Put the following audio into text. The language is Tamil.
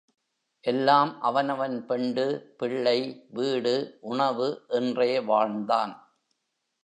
எல்லாம், அவனவன் பெண்டு, பிள்ளை, வீடு, உணவு என்றே வாழ்ந்தான்.